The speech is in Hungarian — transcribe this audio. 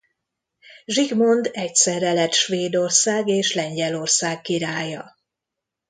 Zsigmond egyszerre lett Svédország és Lengyelország királya.